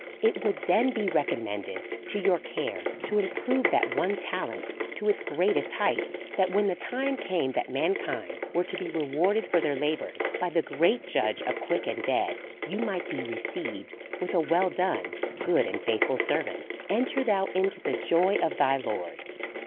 It would then be recommended to your care to im prove that one talent to its greatest height ; that when the time came that mankind were to be rewarded for their labours by the great Judge of quick and dead, you might be received wrth a well done, good and faithful servaiit, enter thou into the joy of thy Lord.